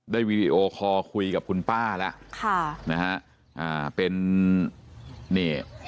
วีดีโอคอลคุยกับคุณป้าแล้วค่ะนะฮะอ่าเป็นนี่